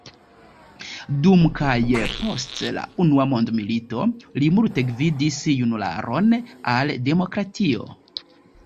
Dum kaj post la unua mondmilito li multe gvidis junularon al demokratio.